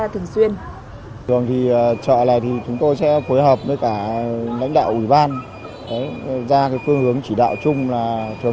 trước sự nhội nhịp của khu chợ